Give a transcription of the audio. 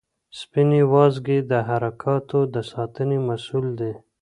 سپینې وازګې د حرکاتو د ساتنې مسؤل دي.